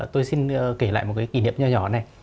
tôi xin kể lại một cái kỷ niệm nhỏ nhỏ này